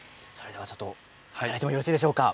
早速いただいてもよろしいでしょうか？